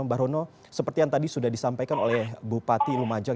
mbah rono seperti yang tadi sudah disampaikan oleh bupati lumajang